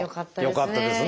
よかったですね。